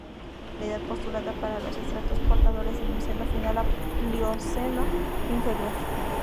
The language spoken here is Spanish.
La edad postulada para los estratos portadores es Mioceno final a Plioceno inferior.